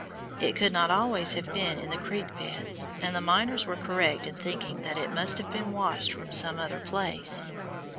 It could not always have been in the creek beds, and the miners were correct in thinking that it must have been washed from some other place.